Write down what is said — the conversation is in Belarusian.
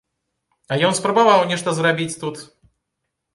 А ён спрабаваў нешта зрабіць тут!